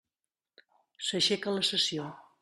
S'aixeca la sessió.